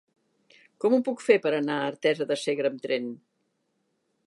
Com ho puc fer per anar a Artesa de Segre amb tren?